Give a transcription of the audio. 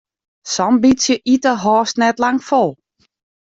Sa'n bytsje ite hâldst net lang fol.